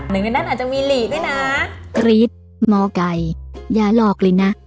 หนึ่งในนั้นอาจจะมีหรี่ด้วยนะ